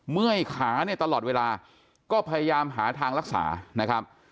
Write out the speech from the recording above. เมื่อยขาเนี่ยตลอดเวลาก็พยายามหาทางรักษานะครับ